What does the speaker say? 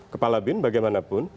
kepala bin bagaimanapun